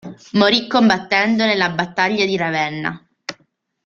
Morì combattendo nella battaglia di Ravenna.